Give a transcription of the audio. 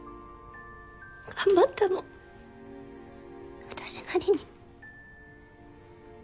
頑張ったの私なりに。